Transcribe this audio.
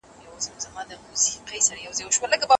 مواد د انلاين زده کړې لپاره ډاونلوډ کړه.